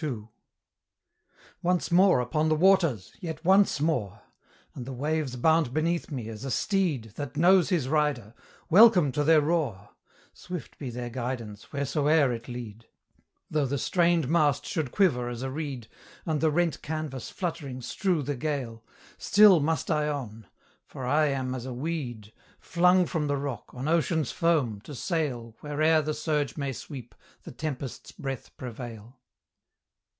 II. Once more upon the waters! yet once more! And the waves bound beneath me as a steed That knows his rider. Welcome to their roar! Swift be their guidance, wheresoe'er it lead! Though the strained mast should quiver as a reed, And the rent canvas fluttering strew the gale, Still must I on; for I am as a weed, Flung from the rock, on Ocean's foam, to sail Where'er the surge may sweep, the tempest's breath prevail.